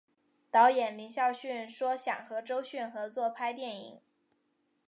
导演林孝谦说想和周迅合作拍电影。